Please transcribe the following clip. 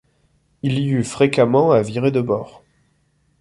Il y eut fréquemment à virer de bord.